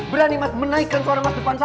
berani mas menaikkan suara mas depan saya